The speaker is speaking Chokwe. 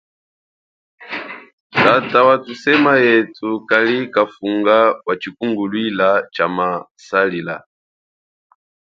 Tata wathusema yethu kali kafunga wa tshikunguluila tshama salila.